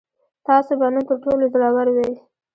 تاسو به نن تر ټولو زړور وئ.